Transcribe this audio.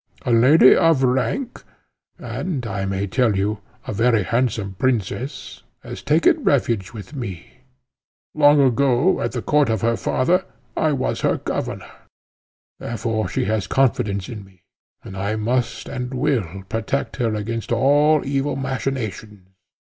A lady of rank, and I may tell you, a very handsome princess, has taken refuge with me. Long ago, at the court of her father, I was her governor; therefore she has confidence in me, and I must and will protect her against all evil machinations.